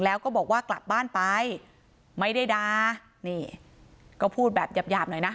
แล้วก็บอกว่ากลับบ้านไปไม่ได้ดานี่ก็พูดแบบหยาบหยาบหน่อยนะ